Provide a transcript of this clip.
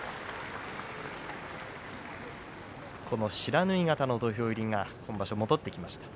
この不知火型の土俵入りが今場所、戻ってきました。